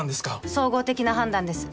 総合的な判断です